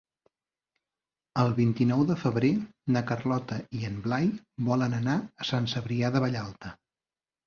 El vint-i-nou de febrer na Carlota i en Blai volen anar a Sant Cebrià de Vallalta.